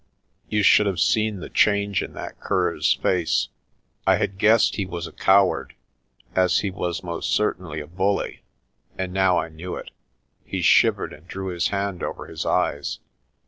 You should have seen the change in that cur's face. I had guessed he was a coward, as he was most certainly a bully, and now I knew it. He shivered and drew his hand over his eyes.